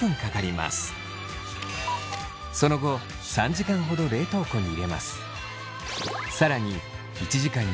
その後３時間ほど冷凍庫に入れます。